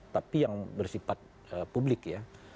tapi yang bersifat publik ya